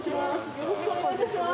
よろしくお願いします。